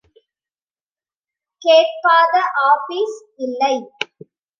கேட்காத ஆபீஸ் இல்லை.